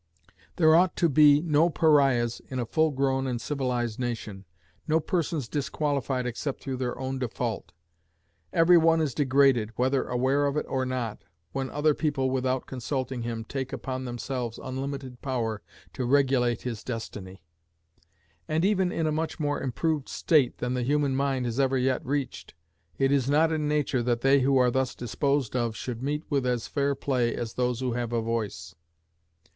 There ought to be no pariahs in a full grown and civilized nation; no persons disqualified except through their own default. Every one is degraded, whether aware of it or not, when other people, without consulting him, take upon themselves unlimited power to regulate his destiny. And even in a much more improved state than the human mind has ever yet reached, it is not in nature that they who are thus disposed of should meet with as fair play as those who have a voice.